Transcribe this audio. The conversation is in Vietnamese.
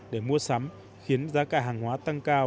để mua sắm khiến giá cả hàng hóa tăng cao